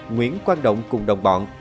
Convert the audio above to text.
nguyễn quang động cùng đồng bọn